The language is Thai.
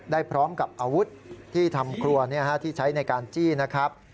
ได้พร้อมกับอาวุธที่ทำครัวที่ใช้ในการจี้นะครับ